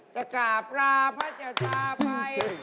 จะก่าวปลาพระจักรไป